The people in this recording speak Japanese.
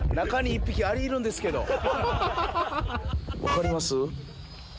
分かります？